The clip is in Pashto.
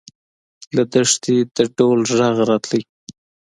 له دښتې د ډول غږ راته.